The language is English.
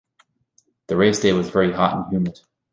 The race day was very hot and humid.